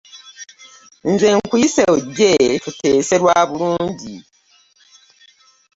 Nze nkuyise ojje tuteese lwa bulungi.